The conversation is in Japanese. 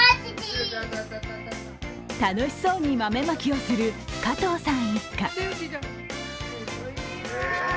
楽しそうに豆まきをする加藤さん一家。